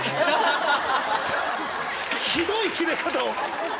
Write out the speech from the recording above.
ひどいキレ方を。